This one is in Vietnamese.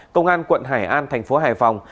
công an quận hải an thành phố hải phòng